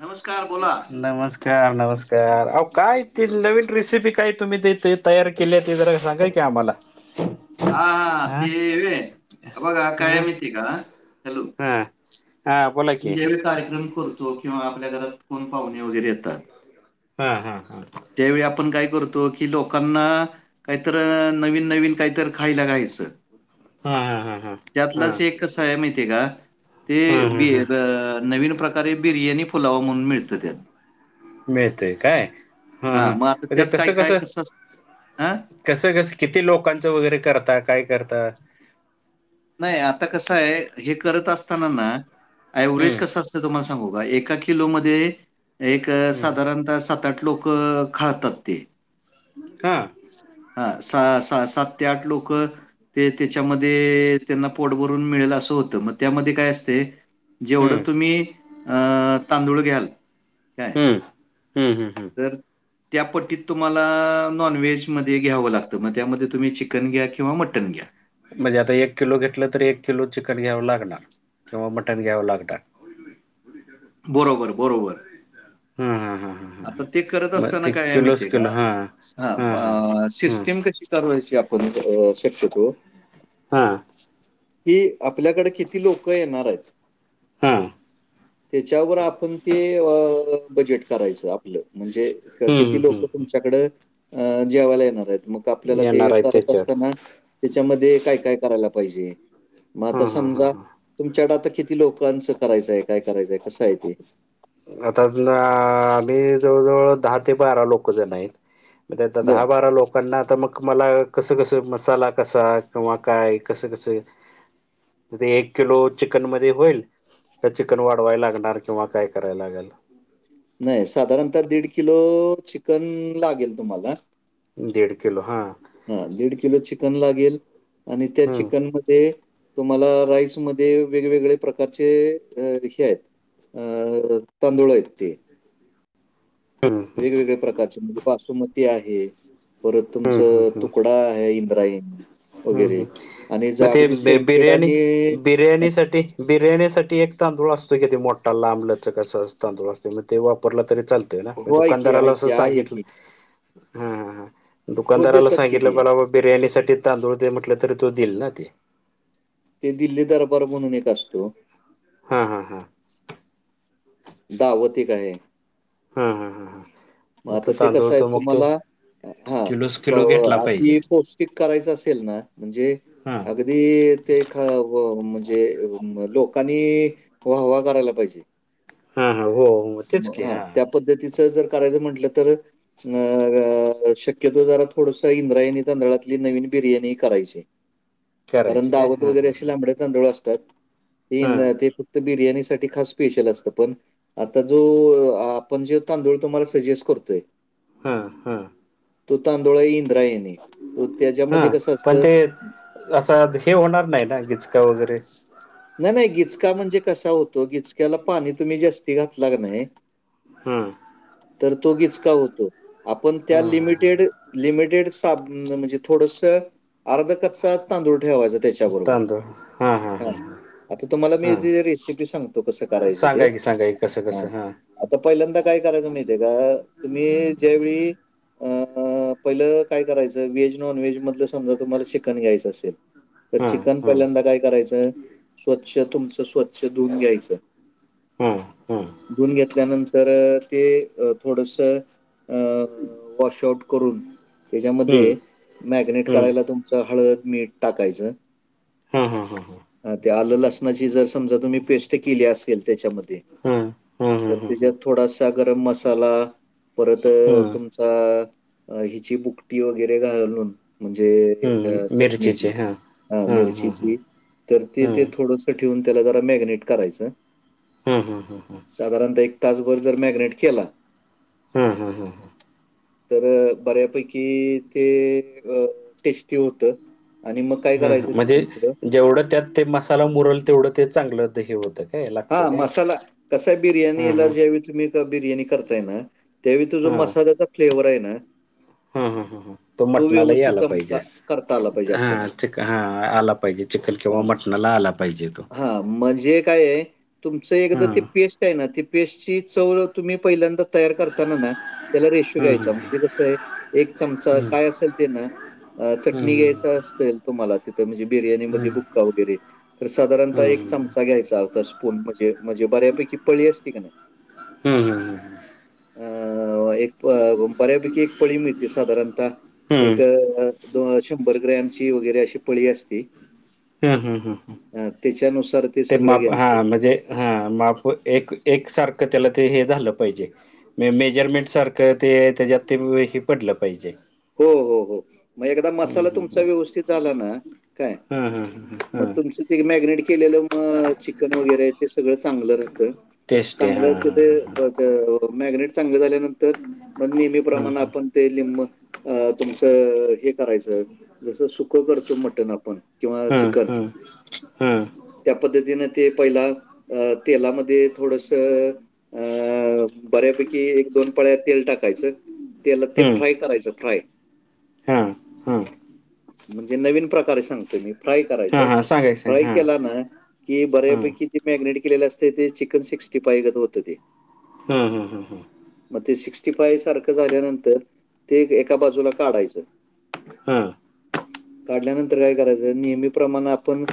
नमस्कार बोला नमस्कार! च नमस्कार अ काय त नवीन रेसिपी काय तुम्ही देत तयार केली आहे ती जरा सांगाल की आम्हाला. [unintelligible] हा हा तेवे आ बघ काय माहित आहे का? हां. ज्यावेळी कार्यक्रम करतो किंवा आपल्या घरात कोण पाहुणे वगैरे येतात. हा, हा, हा. त्यावेळी आपण काय करतो की लोकांना काहीतर नवीन, नवीन काहीत खायला घायचं हा हा हा हा. हा त्यातलाच एक कसय माहिती का ते हम्म हम्म बी हम्म नवीन प्रकार कारे बिर्याणी फुलावा म्हणून मिळतं त्या मिळतय काय? हा हां, हा मग आता ते त्यात काय कसं काय कसं असतं हां? कसं कसं किती लोकांचं वगैरे करतात काय करता? नाही आता कसं आहे हे करत असताना ना ऑव्हेज हम्म कसं अस आता तुम्हाला सांगू का एका किलोमध्ये एक हम्म साधारण सात, आठ लोक खातात ते हा हा सा सात ते आठ लोक ते त्याच्यामध्ये त्यांना पोट भरून मिळेल असं होतं मग त्यामध्ये काय असते हम्म जेवढं तुम्ही अ तांदूळ घ्या काय हम्म, हम्म, हम्म, हम्म. तर त्या पट्टीत तुम्हाला नॉनव्हेज मध्ये घ्यावं लागतं मग त्यामध्ये तुम्ही चिकन घ्या किंवा मटन घ्या. म्हणजे आता एक किलो घेतलं तरी एक किलो चिकन घ्यावं लागणार किंवा मटण घ्यावं लागणार. बरोबर, बरोबर. हम्म, हम्म, हम्म. आता ते करत असताना काय आहे माहीत आहे का हां. हां, हां. हा हं. सिस्टीम कशी दर वर्षी आपण शक्यतो. हा. कि आपल्याकडे किती लोक येणार आहेत. हा. त्याच्यावर आपण ते अ बजेट करायचं आपलं म्हणजे हं, हं, किती हं, लोक हं. तुमच्याकडं अ जेवायला येणार आहेत मग आपल्याला ते येणार आहे करत त्याच्यावर. असताना त्याच्यामध्ये काय काय करायला पाहिजे मग हां, आता हां, हां, समजा हां. तुमच्याकडे आता किती लोकांचं करायचंय काय करायचंय कसं आहे ते आता आम्ही जवळ, जवळ दहा ते बारा लोक जात आहेत. ते आता बरं. दहा, बारा लोक पणना आता मग मला कसं, कसं मसाला कसा किंवा काय कसं, कसं एक किलो चिकन मध्ये होईल तर चिकन वाढवाय लागणार किंवा काय कराय लागल नाही साधारणता दीड किलो चिकन लागेल तुम्हाला दिढ किलो हां हा दीड किलो चिकन लागेल आणि त्या हं, चिकन मध्ये तुम्हाला राईसमध्ये वेगवेगळे प्रकारचे हे आहेत अह तंदुळा आहे ते ह. वेगवेगळ्या प्रकारचे म्हणजे बसुमती आहे. परत तुमच हं, हं. तुकडा आहे इंद्रायणी ह वगैरे आणि मग जर ते अगदी सेंटेड बिर्याणी आणि बिर्याणी अच- साठी बिर्याणीसाठी एक तांदूळ असतो किती मोठा लांबलच कस तांदूळ असते ते वापरला तरी चालत हो, आहे की, दुकानदाराला आहे अस की, आहे की. सांगितलं हो, दुकानदाराला देतात की सांगितलं ते. बिर्याणीसाठी तांदूळ ते म्हटलं तरी तो दिईल ना ते? ते दिल्ली दरबार म्हणून एक असतो. हा हा हा. [unintelligible] का आहे. हा हा हा हां. मग आता ते कसं आहे? तुम्हाला हा किलोच किलो घेतला आ पाहिजे ती पोच- करायचं असेल ना? म्हणजे हा अग- अदी ते ख. म्हणजे लोकांनी वाहवा करायला पाहिजे. हा हा. हो हो. तेच की. हा. पद्धतीच जर करायचं म्हंटलं तर- अ शक्यतो जरा थोडस इंद्रायणी तांदळातली नवीन बिर्याणी करावी. कारण करायचे काय दावत हा वगैरे हा अशी लांबड - तांदळ असतात. हा ते ते फक्त बिर्याणी साठी खास स्पेशल असत पण- आता जो आपण जे तांदूळ तुम्हाला सजेस्ट करतोय- हा हा. तो तांदुळ आहे इंद्रायणी. तो हा. त्याच्यामध्ये कसं पण असतं ते असं हे होणार नाही ना? गिचका वगैरे. नाही नाही. गिचका म्हणजे कसा होतो? गिचक्याला पाणी तुम्ही जास्ती घातला की नाही? हम्म. तर तो गिचका होतोय. आपण त्या हम्म हम्म लिमिटेड- लिमिटेड साब म्हणजे थोडस, अर्धा कच्चाच तांदूळ ठेवायचा हम्म त्याच्याबरोबर. तांदूळ हां हां हा हां ह. आता तुम्हाला मी रेसिपी सांगतो. कसं करायचं ते? सांगा की सांगा की कसं हा. कसं हां आता पहिल्यांदा काय करायचं माहिती आहे का? तुम्ही ज्यावेेळी- अ. पहिलं काय करायचं? व्हेज नॉन व्हेज मधलं समजा तुम्हाला चिकन घ्यायचं असेल- तर हां चिकन हां पहिल्यांदा काय करायचं? स्वच्छ तुमचं स्वच्छ- छ धुवून घ्यायचं. हां हां धुवून घेतल्यानंतर ते थोडस- अं. वॉश आउट करून. हम्म त्याच्यामध्ये मॅगनेट हम्म करायला तुम- हळद, मीठ टाकायचं. हा हा हा हा. ते आलं लसणाची जर समजा तुम्ही पेस्ट केली असेल त्याच्यामध्ये? हां हां हां तर हां हां त्याच्यात थोडासा गरम मसाला परत हां तुम- च हिची भुकटी वगैरे घालून- म्हणजे हम्म चटणीची. मिरचीचे हां ह हां हां हां मिरचीची. तर ती हां ते थोडंसं ठेवून त्याला जरा मॅरीनेट करायचं. ह् ह् ह् हं. साधारणतः एक तासभर जर मॅरिनेट केला- हां. हां. हां. हां. तर बऱ्यापैकी ते अ टेस्टी होत. हम. ह म्हणजे जेवढं त्यात ते मसाला मुरल तेवढं ते चांगलं ते हे होतं. काय लागतं हा. काय मसाला कसय? हां बिर्याणीला हां ज्यावेळी तुम्ही बिर्याणी करताय ना? त्यावेळी तुझ्या मसाल्याचा फ्लेवर आहे ना? ह हं. हं. हं. हं. तो मटणालाही व्यवस्थित आला पाहिजे. जमता करता आला पाहिजे आपल्याला. हं. चिक हं आला- पाहिजे. चिकन किंवा हां, मटणाला आला पाहिजे तो. हां, म्हणजे काय आहे, तुमचं एकदा हां ती पेस्ट आहे ना? ती पेस्ट ची चव तुम्ही पहिल्यांदा- तयार करताना ना? त्याला रेशो हं घ्यायचा. हं म्हणजे कसं आहे? एक चमचा हं काय असेल ते ना- अ चटणी हं घ्यायच- सेल तुम्हाला. तिथं म्हणजे बिर्याणीमध्ये हं [unintelligible] वगैरे तर हं साधारणः एक हं चमचा घ्यायचा अव - पण म्हणजे, म्हणजे बऱ्यापैकी पळी असते का नाही? हम्म हम् हम. अ एक बऱ्यापैकी एक पळी मिळते साधारणत एक, हं दोन शंभर ग्रॅम ची वगरे अशी पळी असती हं हं हं त्याच्यानुसार ते सगळ घ्यायचं हा माप एक, एक सारखं त्याला ते हे झालं पाहिजे मे मेजरमेंट सारखं ते त्याच्यात ते हे पडलं पाहिजे हो, हो, हो मग एकदा हं मसाला हं तुमचा हं व्यवस्थित झाला ना काय हं हं हं मग हं तुमचं ते मॅगनेट केलेलं मग चिकन वगैरे ते सगळं चांगलं राहतं टेस्ट आहे चांगलं हां हां तथे हां मॅगनेट चांगलं झाल्यानंतर तर नेहमी हां प्रमाण आपण ते लिम तुमच हे करायचं जस सुकं करतो मटण आपण किंवा हं हं चिकन हं हं त्या पद्धतीनं ते पहिला तेलामध्ये थोडंसं अ बऱ्यापैकी एक दोन पळ्या तेल टाकायचं तेला ते हं हं फ्राय करायचं फ्राय हां हां म्हणजे नवीन प्रकारे सांगतो मी फ्राय हां करायचं हां सांगा की फ्राय सांगा केला हां ना कि बऱ्यापैकी ते मॅगनेट केले असते ते चिकन सिक्स्टी फाय गत होतं ते हं, हं, हं, हं मग ते सिक्स्टी फाय सारखं झाल्यानंतर ते एका बाजूला काढायचं हा काढल्यानंतर काय करायचं नेहमी प्रमाण आपण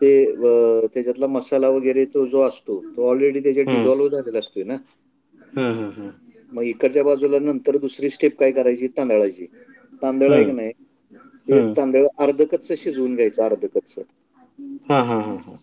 ते व त्याच्यातला मसाला वगैरे तो जो असतो तो ऑलरेडी त्याच्या हां डिझोल्व झालेला असतोय ना हां हां हां हां मग इकडच्या बाजूला नंतर दुसरी स्टेप काय करायची तांदळाची तांदळा आहे क हं नाही हे हं तांदळ अर्ध कच्च शिजवून घ्यायचं अर्ध कच्च हा, हा, हा, हा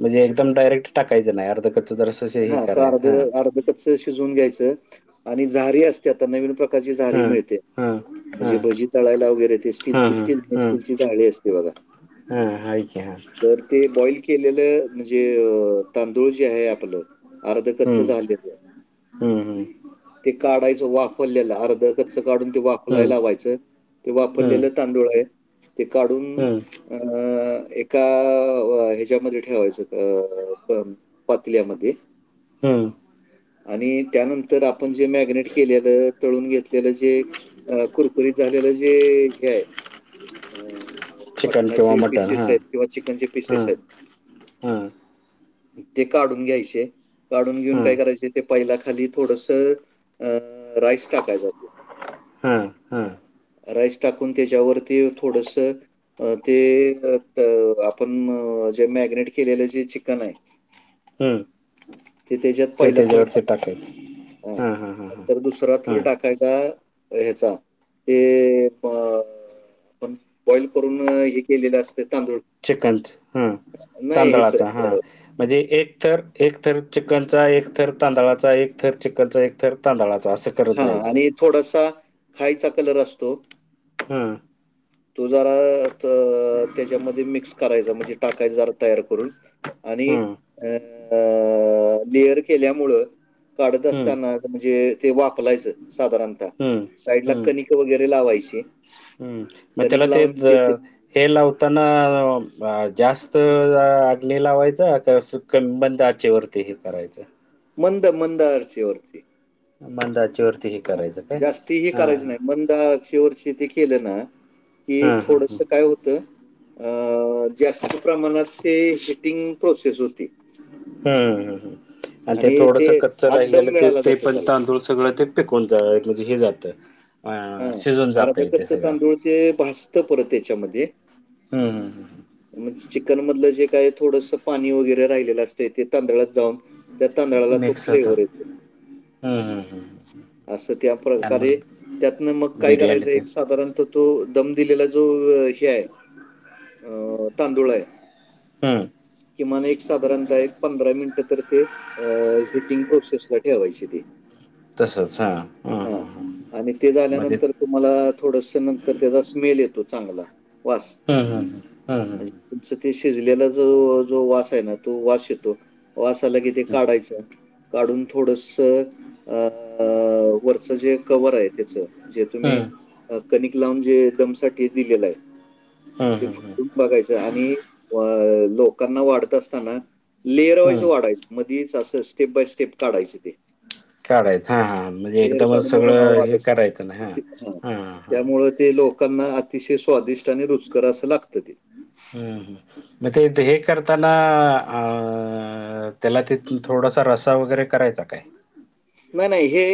म्हणजे एकदम डायरेक्ट टाकायच नाही अर्ध कच्च जरासं हा क अर्ध, अर्ध कच्च शिजून घ्यायचं आणि झारी असते आता नवीन प्रकारची झारी हां मिळते हां म्हणजे हां भजी तळायला वगैरे ते हां स्टीलची हां स्टेनलेस स्टीलची जाळी असते बघा ह हाय की हा तर ते बॉईल केलेलं म्हणजे तांदूळ जे आहे आपलं अर्ध कच्च हं झालेलं हं हं ते काढायचं वाफरलेलं अर्ध कच्चं काढून ते वाफलाय हं लावायचं ते हं वाफलेलं तांदूळ आहे ते काढून हं अ एका ह्याच्यामध्ये ठेवायचं अ पातल्यामध्ये हम् आणि त्यानंतर आपण जे मॅगनेट केलेल तळून घेतलेलं जे कुरकुरीत झालेलं जे हेय अ चिकन किंवा मटणाचे मटण पिसेस हां आहेत किंवा चिकनचे पिसेस हां आहेत हां ते काढून घ्यायचे काढून घेऊन हां काय करायचे ते पईला खाली थोडस अ राईस टाकायचा ह, ह राईस टाकून त्याच्यावरती थोडस अ ते आपण जे मॅगनेट केलेलं जे चिकन आहे ह ते त्याच्यात ते पहिला थर त्याच्यावरचे टाकायचा. टाकायचं हा, हा, हा थराथर टाकायचा ह्याचा ते पण बॉइल करून हे केलेलं असत तांदूळ चिकनच ह नाही ह्याचं तांदळाच हां अ, म्हणजे एक थर, एक थर चिकनचा एक थर तांदळाचा एक थर चिकनचा एक थर तांदळाचा असं करत हा जायचं. आणि थोडासा खायचा कलर असतो हम्म तू जरा त्याच्यामध्ये मिक्स कराय म्हणजे टाकायचा जरा तयार करून आणि हं, अ लेअर केल्यामुळे काढत हं, असताना म्हणजे ते वाफलायचं साधारणत. हम्म साईड ला कणिक वगैरे लावायची. हं. मग त्याला कणिक लावून तेच ते ते हे लावताना जास्त हे लावायचं की असं मंद आचेवरती वरती हे करायचं मंद, मंद आचेवरती वरची मंदा आचेवर ह जास्ती ह करायच नाही मंदा शे ववरची ते केलं ना. कि हां, हां, थोडस हां. काय होतं अं जास्त प्रमाणात ते हिटिंग प्रोसेस होती. हम् हम आणि ते थोडस कच्च आत दम राहिलेलं ते मिळाला ते जातो पण त्याला. तांदूळ सगळं ते कोण म्हणजे हे जातं. अ हां. शिजून जात अर्ध इथे कच्चं सगळं. तांदूळ ते भाजतं परत हम ह ह म्हणजे चिकन मधलं जे काय थोडंसं पाणी वगैरे राहिलेलं असते ते तांदळात जाऊन. त्या तांदळाला तो मिक्स होतं. फ्लेवर येतो हं, हं, हं. असं त्या आणि मग प्रकारे त्यातन मग काय बिर्याणी करायचं ते एक साधारणत तो दम दिलेला जो हे आहे. अं तांदुळ आहे. हं. किमान एक साधारणतः एक पंधरा मिनिटं तर ते हीटिंग प्रोसेस ला ठेवायचे ते. तसंच हां ह हां ह नंतर तुम्हाला थोड नंतर त्याचा स्मेल येतो चांगला वास. हा हा हा हा हा तुमच ते शिजलेला ज जो वास आहे ना तो वास येतो. वसाला कि ते काढायचं काढून थोडस अ वर जे कवर आहे त्याच जे तुम्ही हं. कणिक लावून जे दमसाठी दिलेलं आहे. हं, ते हं, हं. फटून बघायचं आणि अ लोकांना वाढत असताना लेअरवाईज हं. वाढायच मध्येच असं स्टेप बाय स्टेप काढायचे ते काढायचं हा हा म्हणजे लेयर एकदमच काढून अ, सगळं हे वाढायचं. करायचं ना हा ते हां. हा हा. त्यामुळं ते लोकांना अतिशय स्वादिष्ट आणि रुचकर असं लागत. हम्म ह म ते हे करताना अ त्याला ते थोडासा रसा वगैरे करायचा काय? नाही नाही हे